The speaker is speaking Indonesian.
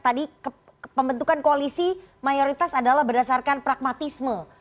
tadi pembentukan koalisi mayoritas adalah berdasarkan pragmatisme